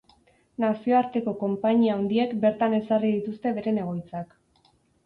Nazioarteko konpainia handiek bertan ezarri dituzte beren egoitzak.